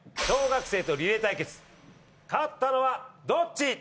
小学生とリレー対決勝ったのはどっち？